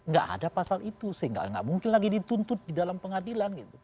gak ada pasal itu sih gak mungkin lagi dituntut di dalam pengadilan